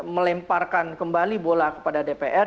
melemparkan kembali bola kepada dpr